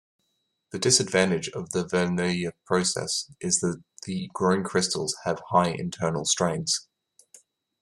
The disadvantage of Verneuil process is that the grown crystals have high internal strains.